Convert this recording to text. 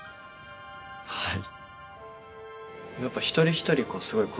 はい。